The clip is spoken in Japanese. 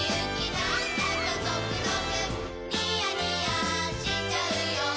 なんだかゾクゾクニヤニヤしちゃうよ